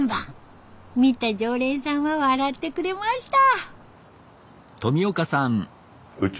見た常連さんは笑ってくれました。